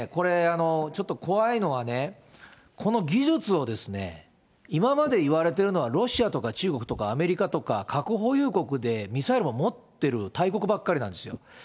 これ、ちょっと、怖いのはね、この技術をですね、今までいわれてるのは、ロシアとか中国とかアメリカとか、核保有国でミサイルも持ってる大国ばっかりなんですよ。